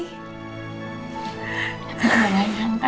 aku juga nggak nyangka